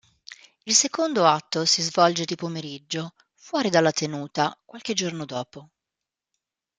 Il secondo atto si svolge di pomeriggio, fuori della tenuta, qualche giorno dopo.